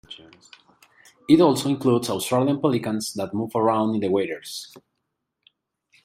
It also includes Australian pelicans that move around in the waters.